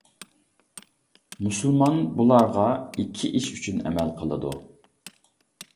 مۇسۇلمان بۇلارغا ئىككى ئىش ئۈچۈن ئەمەل قىلىدۇ.